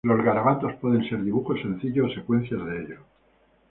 Los garabatos pueden ser dibujos sencillos o secuencias de ellos.